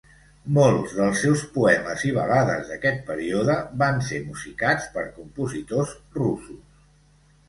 Molts dels seus poemes i balades aquest període van ser musicats per compositors russos.